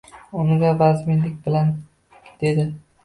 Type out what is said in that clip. Unga vazminlik bilan dedi.